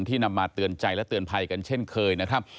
นำมาเตือนใจและเตือนภัยกันเช่นเคยนะครับ